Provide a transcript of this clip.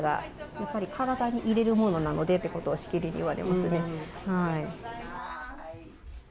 やっぱり、体に入れるものなのでということをしきりに言われますね。